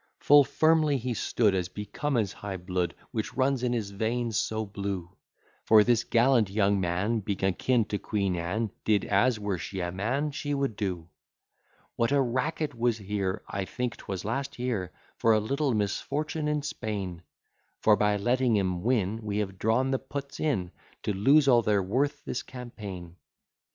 Full firmly he stood, As became his high blood, Which runs in his veins so blue: For this gallant young man, Being a kin to QUEEN ANNE, Did as (were she a man) she would do. What a racket was here, (I think 'twas last year,) For a little misfortune in Spain! For by letting 'em win, We have drawn the puts in, To lose all they're worth this campaign.